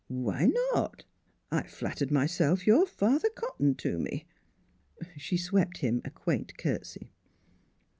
"Why not? I flattered myself your father cottoned to me." She swept him a quaint curtsy.